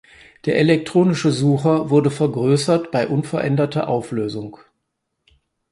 Der elektronische Sucher wurde vergrößert bei unveränderter Auflösung.